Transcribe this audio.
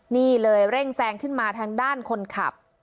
นี่เลยเร่งแซงขึ้นมาทางด้านคนขับ